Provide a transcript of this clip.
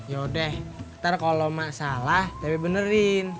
yaudah ntar kalau mak salah tepi benerin